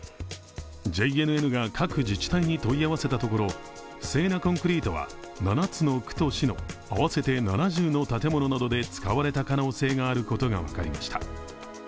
ＪＮＮが各自治体に問い合わせたところ、不正なコンクリートは７つの区と市の、合わせて７０の建物などで使われた可能性があることが分かりました。